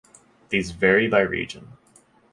These vary by region.